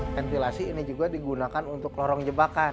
ventilasi ini juga digunakan untuk lorong jebakan